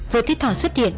vừa thiết thỏ xuất hiện